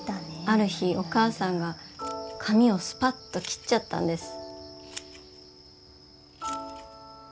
ある日お母さんがかみをスパッと切っちゃったんです。